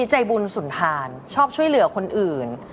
ใจบุญสุนทานชอบช่วยเหลือคนอื่น